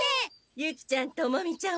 ユキちゃんトモミちゃん